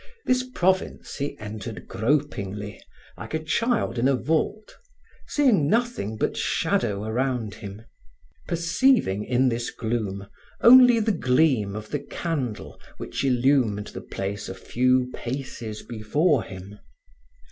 This province he entered gropingly, like a child in a vault, seeing nothing but shadow around him, perceiving in this gloom only the gleam of the candle which illumed the place a few paces before him.